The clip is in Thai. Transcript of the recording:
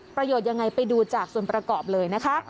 ประโยชน์ยังไงไปดูจากส่วนประกอบเลยนะคะ